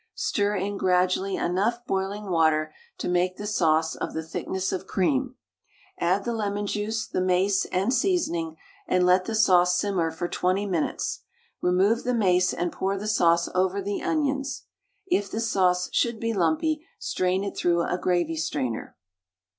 Stir in gradually enough boiling water to make the sauce of the thickness of cream. Add the lemon juice, the mace, and seasoning, and let the sauce simmer for 20 minutes. Remove the mace, and pour the sauce over the onions. If the sauce should be lumpy, strain it through a gravy strainer.